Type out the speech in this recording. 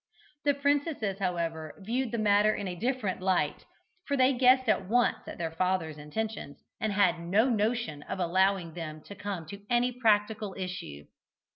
The princesses, however, viewed the matter in a different light, for they guessed at once at their father's intentions, and had no notion of allowing them to come to any practical issue.